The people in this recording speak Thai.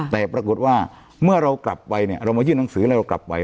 แต่ปรากฏว่าเมื่อเรากลับไปเนี่ยเรามายื่นหนังสือแล้วเรากลับไป